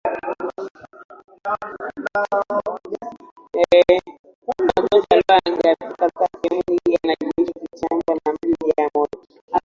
Magonjwa yaliyoangaziwa katika sehemu hii yanajumuisha kichaacha mbwa na maji kujaa kwenye moyo